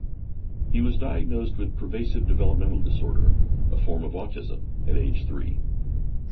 He was diagnosed with pervasive developmental disorder, a form of autism, at age three.